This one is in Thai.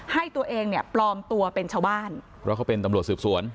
ให้ตัวเองเนี่ยปลอมตัวเป็นชาวบ้านเพราะเขาเป็นตำรวจสืบสวน